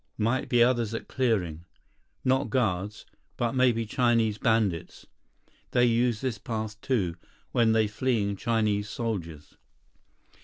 Might be others at clearing. Not guards, but maybe Chinese bandits. They use this path too, when they fleeing Chinese soldiers."